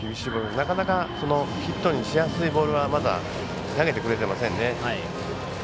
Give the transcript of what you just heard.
なかなかヒットにしやすいボールはまだ投げてくれてませんね。